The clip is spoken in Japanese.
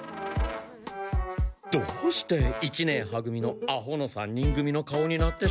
どうして一年は組のアホの三人組の顔になってしまうのだ？